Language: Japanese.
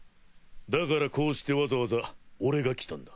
だからこうしてわざわざ俺が来たんだ。